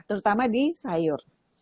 terutama di sayur